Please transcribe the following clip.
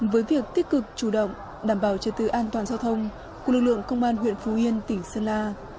với việc tích cực chủ động đảm bảo trật tự an toàn giao thông của lực lượng công an huyện phú yên tỉnh sơn la